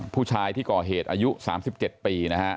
ผู้ชายที่ก่อเหตุอายุ๓๗ปีนะฮะ